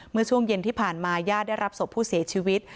เมื่อช่วงเย็นที่ผ่านมาญาติได้รับศพผู้เสียชีวิต